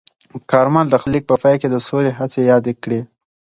کارمل د خپل لیک په پای کې د سولې هڅې یادې کړې.